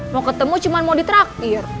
mau ketemu cuma mau ditraktir